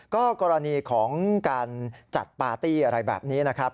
ก็กรณีของการจัดปาร์ตี้อะไรแบบนี้นะครับ